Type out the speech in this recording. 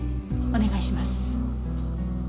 お願いします。